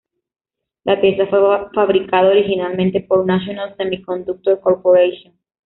La pieza fue fabricada originalmente por National Semiconductor Corporation.